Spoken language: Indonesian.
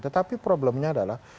tetapi problemnya adalah